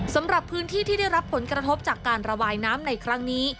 สำหรับพื้นที่ที่ได้รับผลกระทบจากการระบายน้ำในครั้งนี้